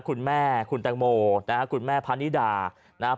คุณแม่คุณตังโหมคุณแม่พระฤะษฎานะ